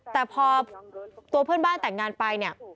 แต่พอตัวเพื่อนบ้านแต่งงานไปเนี่ย